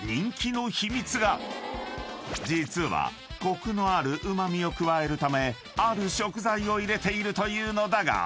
［実はコクのあるうま味を加えるためある食材を入れているというのだが］